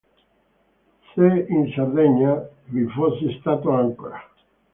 Se in Sardegna vi fosse stato ancora.